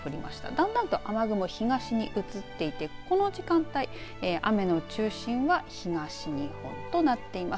だんだんと雨雲が東に移っていてこの時間帯、雨の中心は東日本となっています。